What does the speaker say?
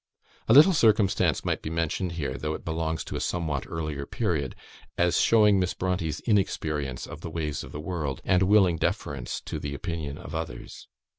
A little circumstance may be mentioned here, though it belongs to a somewhat earlier period, as showing Miss Brontë's inexperience of the ways of the world, and willing deference to the opinion of others.